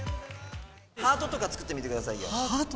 ハートとか作ってみてくださハート？